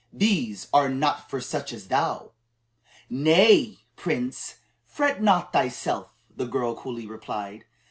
These are not for such as thou." "Nay, Prince, fret not thyself," the girl coolly replied.